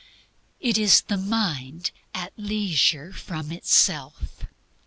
It is the mind at leisure from itself.